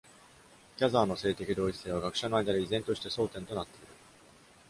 キャザーの性的同一性は、学者の間で依然として争点となっている。